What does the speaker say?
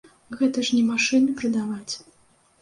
Гэта ж не машыны прадаваць!